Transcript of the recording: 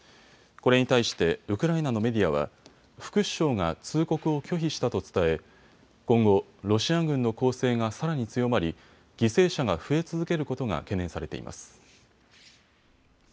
これに対してウクライナのメディアは副首相が通告を拒否したと伝え今後、ロシア軍の攻勢がさらに強まり犠牲者が増え続けることが懸念されています。